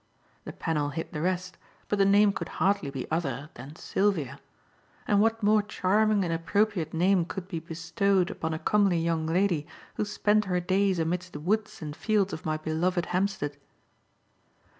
The panel hid the rest, but the name could hardly be other than Sylvia; and what more charming and appropriate name could be bestowed upon a comely young lady who spent her days amidst the woods and fields of my beloved Hampstead?